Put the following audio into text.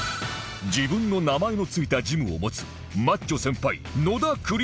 自分の名前の付いたジムを持つマッチョ先輩